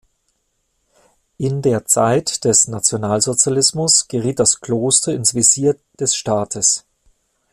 In der Zeit des Nationalsozialismus geriet das Kloster ins Visier des Staates.